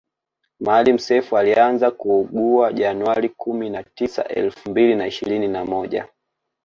Maalim Self alianza kuugua january kumi na tisa elfu mbili na ishirini na moja